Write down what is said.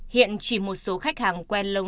hiện chỉ một số khách hàng quen lâu